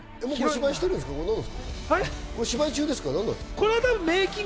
これ芝居中ですか？